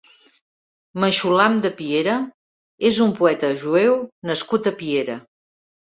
Meixulam de Piera és un poeta jueu nascut a Piera.